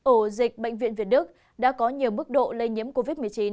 ổ dịch bệnh viện việt đức đã có nhiều mức độ lây nhiễm covid một mươi chín